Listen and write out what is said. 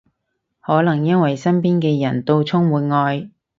可能因為身邊嘅人到充滿愛